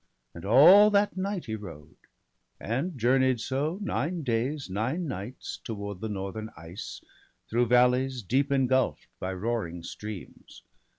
And all that night he rode, and journey'd so, Nine days, nine nights, toward the northern ice. Through valleys deep engulph'd, by roaring streams.